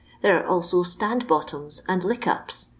There are also ' stand bottoms ' and ' lick ups.'